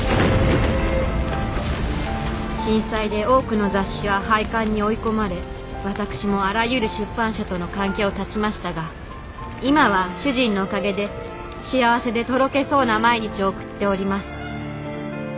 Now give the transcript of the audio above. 「震災で多くの雑誌は廃刊に追い込まれ私もあらゆる出版社との関係を断ちましたが今は主人のおかげで幸せでとろけそうな毎日を送っております。